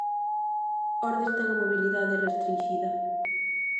Ordes ten a mobilidade restrinxida.